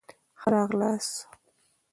ښه را غلاست